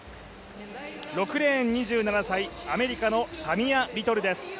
６レーン、２７歳、アメリカのシャミア・リトルです。